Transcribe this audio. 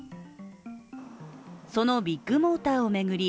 そのビッグモーターを巡り